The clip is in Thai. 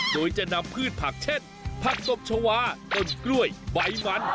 โดยจะนำพืชผักเช่นผักตบชาวาต้นกล้วยใบมัน